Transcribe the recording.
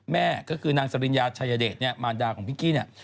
แม่ก็คือนางสริญญาชายเดชเนี่ยมารดาของพิงกี้เนี่ย